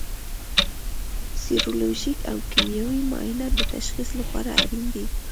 سیرولوژیک او کیمیاوي معاینات د تشخیص لپاره اړین دي.